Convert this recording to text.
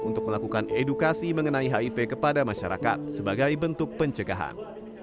untuk melakukan edukasi mengenai hiv kepada masyarakat sebagai bentuk pencegahan